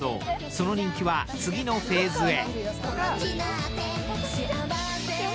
その人気は次のフェーズへ。